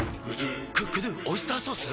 「クックドゥオイスターソース」！？